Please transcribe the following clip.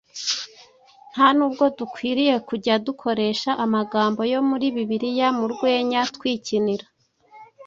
Nta nubwo dukwiriye kujya dukoresha amagambo yo muri Bibiliya mu rwenya twikinira,